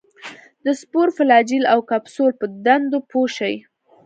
د سپور، فلاجیل او کپسول په دندو پوه شي.